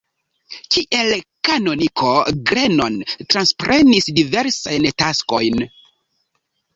Kiel kanoniko Grenon transprenis diversajn taskojn.